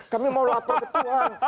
kami mau lapor ke tuhan